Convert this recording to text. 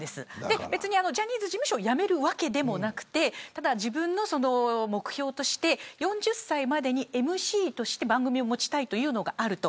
ジャニーズ事務所を辞めるわけでもなくて自分の目標として、４０歳までにＭＣとして番組を持ちたいというのがある。